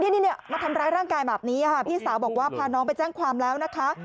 นี่มาทำร้ายร่างกายแบบนี้ค่ะพี่สาวบอกว่าพาน้องไปแจ้งความแล้วนะคะ